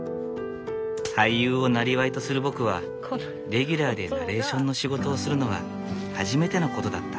俳優をなりわいとする僕はレギュラーでナレーションの仕事をするのは初めてのことだった。